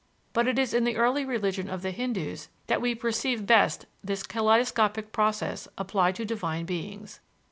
But it is in the early religion of the Hindoos that we perceive best this kaleidoscopic process applied to divine beings.